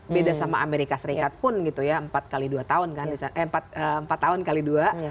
beda sama amerika serikat pun gitu ya empat kali dua tahun kan eh empat tahun kali dua